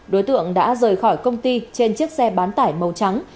đối tượng đã rời khỏi công ty trên chiếc xe bán tải màu trắng